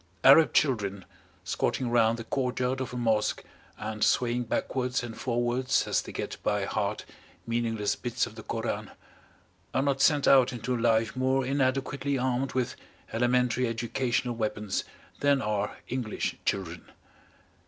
Arab children squatting round the courtyard of a Mosque and swaying backwards and forwards as they get by heart meaningless bits of the Koran, are not sent out into life more inadequately armed with elementary educational weapons than are English children.